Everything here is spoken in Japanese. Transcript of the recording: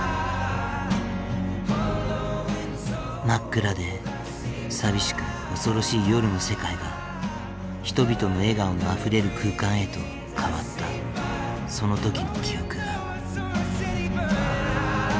真っ暗で寂しく恐ろしい夜の世界が人々の笑顔のあふれる空間へと変わったその時の記憶が。